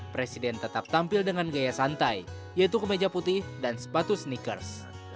presiden tetap tampil dengan gaya santai yaitu kemeja putih dan sepatu sneakers